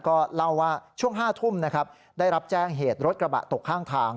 ก็เล่าว่าช่วง๕ทุ่มนะครับได้รับแจ้งเหตุรถกระบะตกข้างทาง